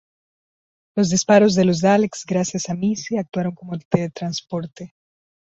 Los disparos de los Daleks gracias a Missy actuaron como teletransporte.